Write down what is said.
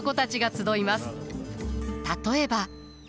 例えば。